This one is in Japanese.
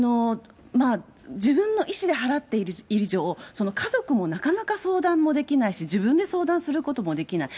自分の意思で払っている以上、家族もなかなか相談もできないし、自分で相談することもできない。